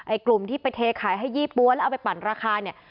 ไอ้กลุ่มที่ไปเทขายให้๒๐บาทแล้วเอาไปปั่นราคาเนี่ย